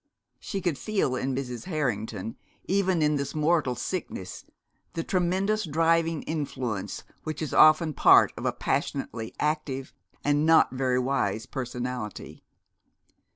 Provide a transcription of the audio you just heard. She could feel in Mrs. Harrington, even in this mortal sickness, the tremendous driving influence which is often part of a passionately active and not very wise personality.